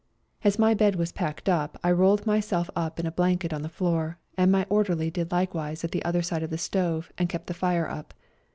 As my bed was packed up I rolled myself up in a blanket on the floor, and my orderly did likewise at the other side of the stove and kept the fire up.